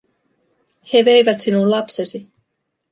"He veivät sinun lapsesi.